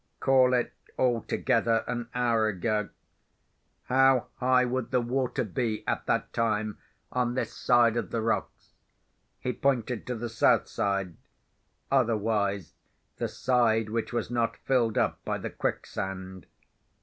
Call it, altogether, an hour ago. How high would the water be, at that time, on this side of the rocks?" He pointed to the south side—otherwise, the side which was not filled up by the quicksand.